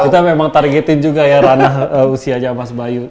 kita memang targetin juga ya ranah usianya mas bayu